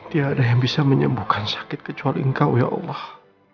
tiada yang bisa menyembuhkan sakit kecuali engkau ya allah